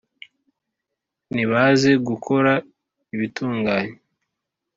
Ntibazi gukora ibitunganye,